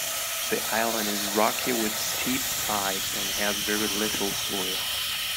The island is rocky with steep sides and has very little soil.